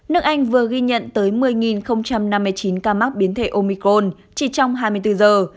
nước anh vừa ghi nhận tới một mươi năm mươi chín ca mắc biến thể omicron chỉ trong hai mươi bốn giờ